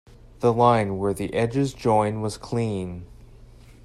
The line where the edges join was clean.